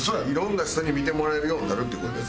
いろんな人に見てもらえるようになるって事。